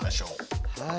はい。